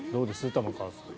玉川さん。